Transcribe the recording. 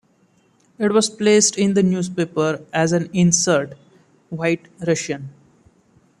It was placed in the newspaper as an insert: White Russian.